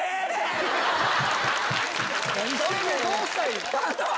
それでどうしたいねん⁉